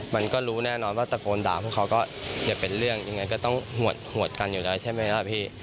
มันก็รู้แน่นอนว่าตะโกนด่าพวกเขาก็อย่าเป็นเรื่องยังไงก็ต้องหวดกันอยู่แล้วใช่ไหมล่ะพี่